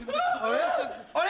あれ？